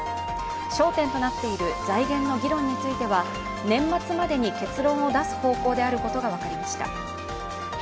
焦点となっている財源の議論については、年末までに結論を出す方向であることが分かりました。